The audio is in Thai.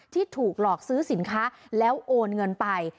ที่ถูกหลอกซื้อสินค้าแล้วโอนเงินไป